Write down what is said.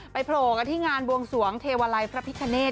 ไปโผล่งที่งานบวงสวงเทวไลพระพิกาเนศ